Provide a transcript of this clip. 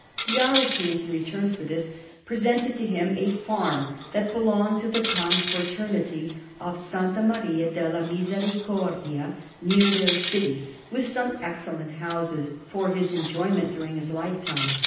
The Aretines, in return for this, presented to him a farm that belonged to the Confraternity of S. Maria della Misericordia, near their city, with some excellent houses, for his enjoyment during his lifetime.